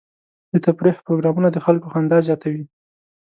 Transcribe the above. د تفریح پروګرامونه د خلکو خندا زیاتوي.